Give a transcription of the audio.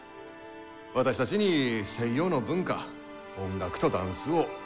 私たちに西洋の文化音楽とダンスを教えてくださいます。